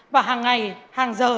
và hàng ngày hàng giờ